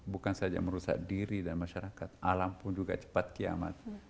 bukan saja merusak diri dan masyarakat alam pun juga cepat kiamat